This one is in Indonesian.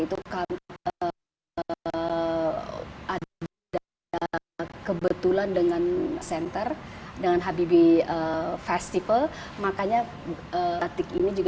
itu kan kebetulan dengan senter dengan habibie festival makanya ini juga